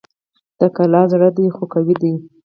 دا کلا زړه ده خو قوي ده